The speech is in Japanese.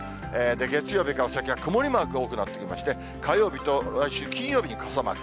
月曜日から先は曇りマークが多くなってきまして、火曜日と来週金曜日に傘マーク。